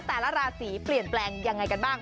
แต่ละราศีเปลี่ยนแปลงยังไงกันบ้าง